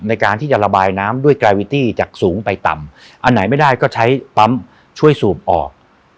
ในการที่จะระบายน้ำด้วยไกรวิตี้จากสูงไปต่ำอันไหนไม่ได้ก็ใช้ปั๊มช่วยสูบออก